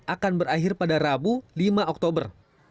akan berakhir pada rabu lima oktober